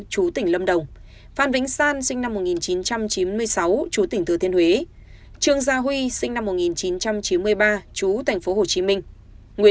một nghìn chín trăm chín mươi một chú thành phố hồ chí minh